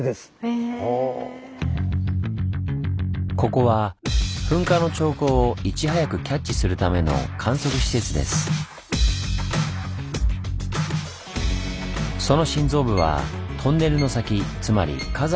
ここは噴火の兆候をいち早くキャッチするためのその心臓部はトンネルの先つまり火山の中にあります。